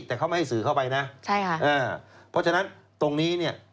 แต่เขาไม่ให้สื่อเข้าไปนะใช่ค่ะอ่าเพราะฉะนั้นตรงนี้เนี่ย